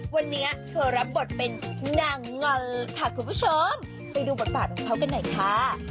วันนี้เธอรับบทเป็นนางงอนค่ะคุณผู้ชมไปดูบทบาทของเขากันหน่อยค่ะ